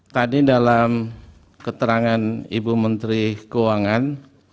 tadi dalam keterangan ibu menteri keuangan